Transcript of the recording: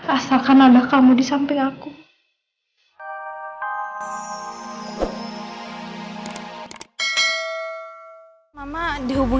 asalkan ada kamu di samping aku